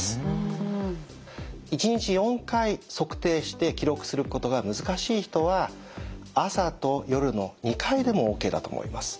１日４回測定して記録することが難しい人は朝と夜の２回でもＯＫだと思います。